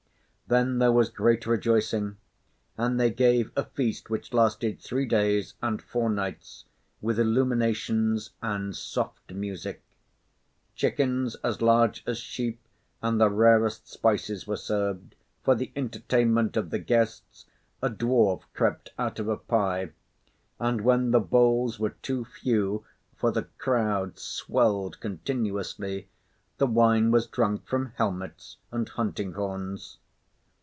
Then there was great rejoicing; and they gave a feast which lasted three days and four nights, with illuminations and soft music. Chickens as large as sheep, and the rarest spices were served; for the entertainment of the guests, a dwarf crept out of a pie; and when the bowls were too few, for the crowd swelled continuously, the wine was drunk from helmets and hunting horns.